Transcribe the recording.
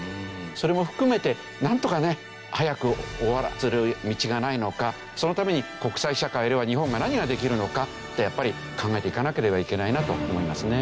それも含めてなんとかね早く終わらせる道がないのかそのために国際社会では日本が何ができるのかってやっぱり考えていかなければいけないなと思いますね。